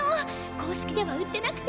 公式では売ってなくて。